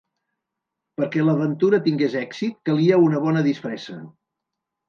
Perquè l'aventura tingués èxit calia una bona disfressa.